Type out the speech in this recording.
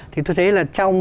thì tôi thấy là trong